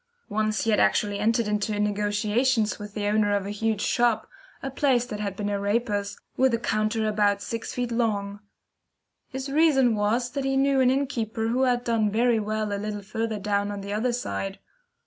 Once he had actually entered into negotiations with the owner of a huge shop, a place that had been a raper's, with a counter about sixty feet long. His reason was that he knew an innkeeper who had done very well a little further down on the other side.